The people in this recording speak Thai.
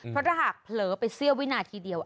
เพราะถ้าหากเผลอไปเสี้ยววินาทีเดียว